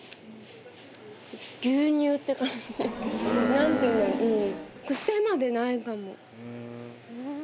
何て言うんだろううん。